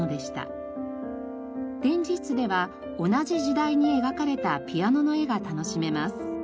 展示室では同じ時代に描かれたピアノの絵が楽しめます。